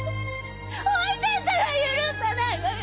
置いてったら許さないわよ！